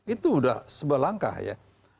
itu sudah sebuah langkah ya